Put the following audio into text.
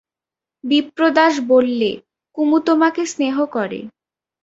বিপ্রদাস বললে, কুমু তোমাকে স্নেহ করে।